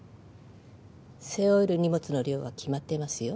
背負える荷物の量は決まっていますよ